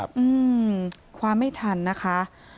อืมคว้าไม่ทันนะคะ